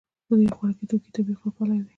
په ډېر خوراکي توکو کې طبیعي خوږوالی وي.